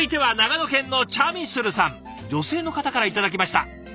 女性の方から頂きました。